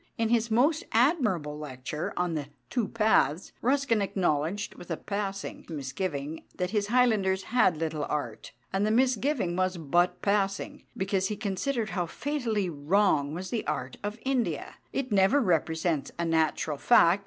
In his most admirable lecture on "The Two Paths," Ruskin acknowledged, with a passing misgiving, that his Highlanders had little art. And the misgiving was but passing, because he considered how fatally wrong was the art of India "it never represents a natural fact.